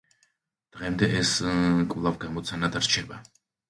დღემდე ეს კვლავ გამოცანად რჩება.